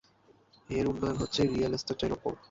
এর উন্নয়ন হচ্ছে রিয়েল এস্টেটের উপর।